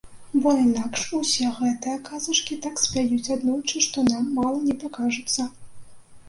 Бо інакш усе гэтыя казачкі так спяюць аднойчы, што нам мала не пакажацца.